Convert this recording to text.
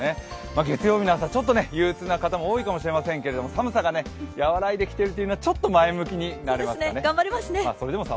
月曜日の朝、ちょっと憂鬱な人も多いかもしれませんけど、寒さが和らいできているというのはちょっと前向きになりますかね。